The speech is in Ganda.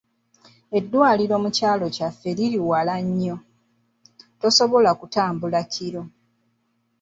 Eddwaliro mu kyalo kyaffe liri wala nnyo, tosobola kutambula kiro.